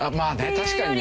確かにね。